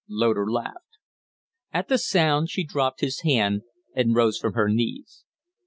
Loder laughed. At the sound she dropped his hand and rose from her knees.